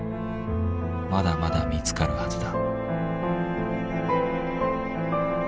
まだまだ見つかるはずだ」。